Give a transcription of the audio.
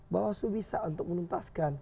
bawah slu bisa untuk menempaskan